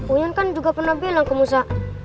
uyan kan juga pernah bilang ke musa